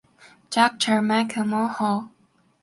Doctor Michael Mulhall (Canada).